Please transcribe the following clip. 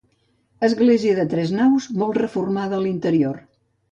Església de tres naus, molt reformada a l'interior.